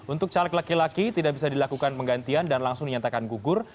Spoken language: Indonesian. untuk caleg laki laki tidak bisa dilakukan penggantian dan langsung dinyatakan gugur